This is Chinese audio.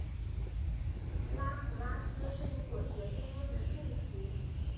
拉普拉斯是因果决定论的信徒。